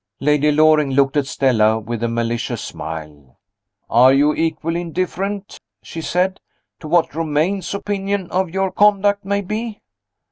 Lady Loring looked at Stella with a malicious smile. "Are you equally indifferent," she said, "to what Romayne's opinion of your conduct may be?"